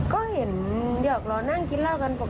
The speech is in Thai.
ก็เห็นหยอกรอนั่งกินเล่ากันปกติค่ะ